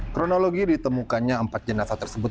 kronologi ditemukannya empat jenazah tersebut